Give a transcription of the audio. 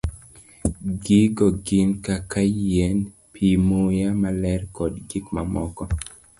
Gigo gin kaka yien, pi, muya maler, kod gik mamoko.